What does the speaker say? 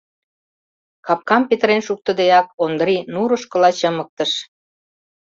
Капкам петырен шуктыдеак, Ондрий нурышкыла чымыктыш.